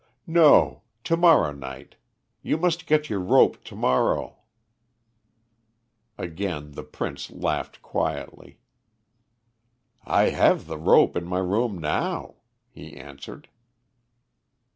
"No; to morrow night. You must get your rope to morrow." Again the Prince laughed quietly. "I have the rope in my room now," he answered.